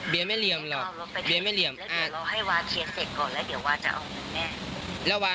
เบียเหลี่ยมไงวา